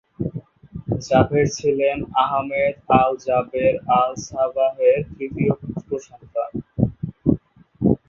জাবের ছিলেন Ahmed Al-Jaber আল-সাবাহের তৃতীয় পুত্র সন্তান।